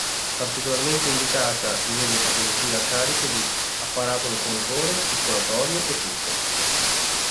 Particolarmente indicata nelle patologie a carico di: apparato locomotore, circolatorio e cute.